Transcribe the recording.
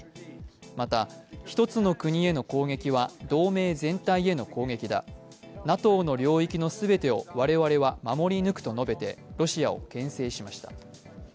また、１つの国への攻撃は同盟全体への攻撃だ、ＮＡＴＯの領域の全てを我々は守り抜くと述べてロシアをけん制しました。